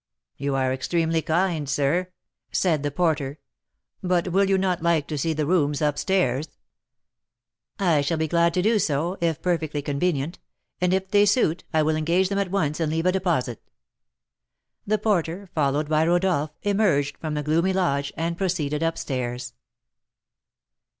"You are extremely kind, sir," said the porter; "but will you not like to see the rooms up stairs?" "I shall be glad to do so, if perfectly convenient; and, if they suit, I will engage them at once and leave a deposit." The porter, followed by Rodolph, emerged from the gloomy lodge, and proceeded up stairs.